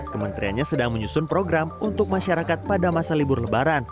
kementeriannya sedang menyusun program untuk masyarakat pada masa libur lebaran